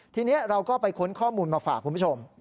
ทีนี้เราก็ไปค้นข้อมูลมาฝากคุณผู้ชม